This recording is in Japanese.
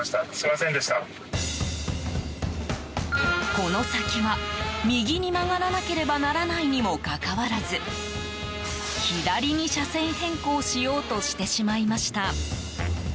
この先は、右に曲がらなければならないにもかかわらず左に車線変更しようとしてしまいました。